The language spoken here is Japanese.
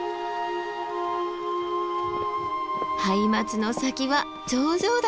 ハイマツの先は頂上だ！